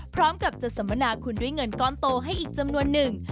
พร้อมกับจะสัมมนาคุณด้วยเงินก้อนโตให้อีกจำนวนหนึ่ง